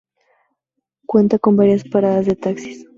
Cuenta con varias paradas de taxis.